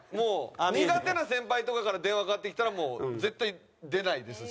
苦手な先輩とかから電話かかってきたらもう絶対出ないです。